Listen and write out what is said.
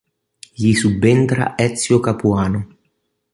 Gli subentra Ezio Capuano.